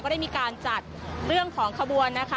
ได้มีการจัดเรื่องของขบวนนะคะ